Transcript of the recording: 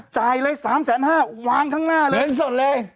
จ่ายเลย๓แสนห้าวางข้างหน้าเลย